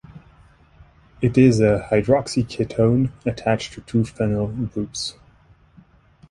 It is a hydroxy ketone attached to two phenyl groups.